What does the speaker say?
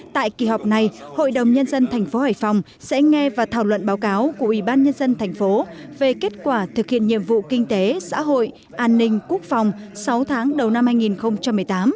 tại kỳ họp này hội đồng nhân dân thành phố hải phòng sẽ nghe và thảo luận báo cáo của ủy ban nhân dân thành phố về kết quả thực hiện nhiệm vụ kinh tế xã hội an ninh quốc phòng sáu tháng đầu năm hai nghìn một mươi tám